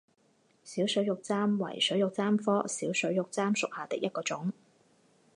小水玉簪为水玉簪科小水玉簪属下的一个种。